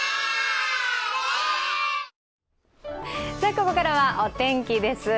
ここからはお天気です。